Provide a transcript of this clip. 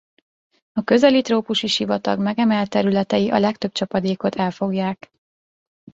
A közeli trópusi sivatag megemelt területei a legtöbb csapadékot elfogják.